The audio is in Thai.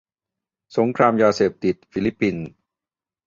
-สงครามยาเสพติด ฟิลิปปินส์